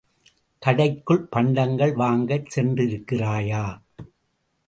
கடைக்குள் பண்டங்கள் வாங்கச் சென்றிருக்கிறாயா?